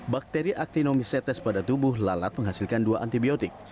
bakteri actinomycetes pada tubuh lalat menghasilkan dua antibiotik